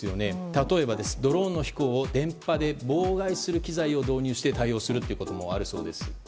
例えば、ドローンの飛行を電波で妨害する機材を使って対応するなどもあるそうです。